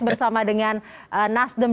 bersama dengan nasdem